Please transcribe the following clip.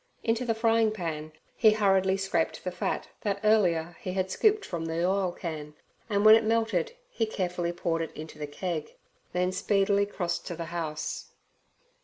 Into the frying pan he hurriedly scraped the fat that earlier he had scooped from the oilcan, and when it melted he carefully poured it into the keg, then speedily crossed to the house.